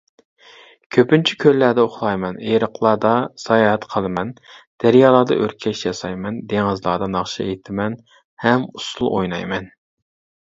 كۆپىنچە كۆللەردە ئۇخلايمەن، ئېرىقلاردا ساياھەت قىلىمەن، دەريالاردا ئۆركەش ياسايمەن، دېڭىزلاردا ناخشا ئېيتىمەن ھەم ئۇسسۇل ئوينايمەن.